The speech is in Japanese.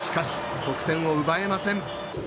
しかし、得点を奪えません。